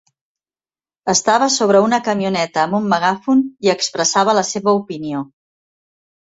Estava sobre una camioneta amb un megàfon i expressava la seva opinió.